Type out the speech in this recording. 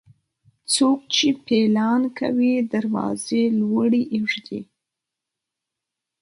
څوک چې پيلان کوي، دروازې لوړي اېږدي.